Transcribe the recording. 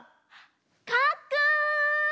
かっくん！